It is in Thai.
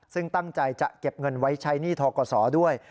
ซึ่งตั้งใจจะเก็บเงินไว้ใช้หนี้ทกศด้วย